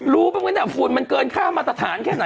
รู้ม่ะไงฝุ่นมันเกินค่ามาตรฐานแค่ไหนกันแล้ว